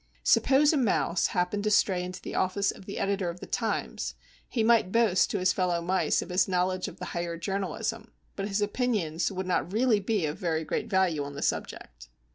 Suppose a mouse happened to stray into the office of the editor of the Times, he might boast to his fellow mice of his knowledge of the "higher journalism," but his opinions would not really be of very great value on the subject.